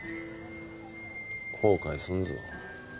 後悔すんぞ。